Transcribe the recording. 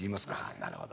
あなるほど。